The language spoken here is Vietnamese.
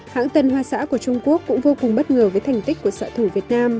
hãng tân hoa xã của trung quốc cũng vô cùng bất ngờ với thành tích của sợi thủ việt nam